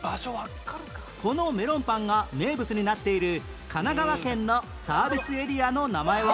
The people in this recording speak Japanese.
このメロンパンが名物になっている神奈川県のサービスエリアの名前は？